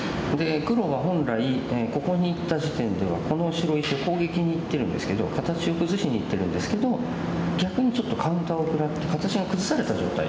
黒は本来ここにいった時点ではこの白石を攻撃にいってるんですけど形を崩しにいってるんですけど逆にちょっとカウンターを食らって形が崩された状態。